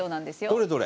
どれどれ？